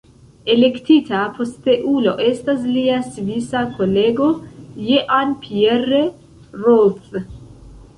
Elektita posteulo estas lia svisa kolego Jean-Pierre Roth.